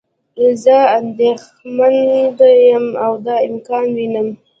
زه اندیښمند یم او دا امکان وینم.